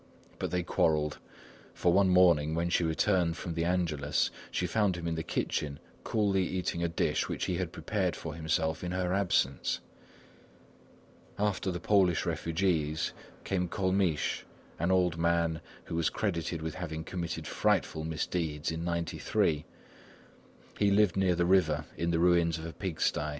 But they quarrelled, for one morning when she returned from the Angelus she found him in the kitchen coolly eating a dish which he had prepared for himself during her absence. After the Polish refugees, came Colmiche, an old man who was credited with having committed frightful misdeeds in '93. He lived near the river in the ruins of a pig sty.